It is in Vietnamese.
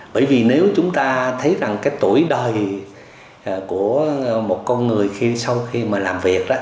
bởi vì nếu chúng ta thấy rằng tuổi đời của một con người sau khi làm việc